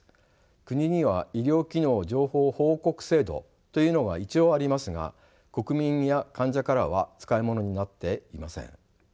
国には医療機能情報報告制度というのが一応ありますが国民や患者からは使い物になっていません。